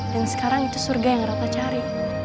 dan sekarang itu surga yang ratna cari